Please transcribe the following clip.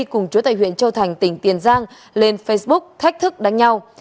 cùng chúa tài huyện châu thành tỉnh tiền giang lên facebook thách thức đánh nhau